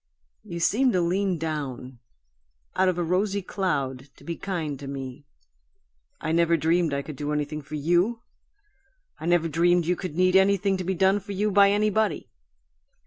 You seemed to lean down out of a rosy cloud to be kind to me. I never dreamed I could do anything for YOU! I never dreamed you could need anything to be done for you by anybody.